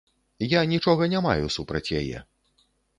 Я нічога не маю супраць яе.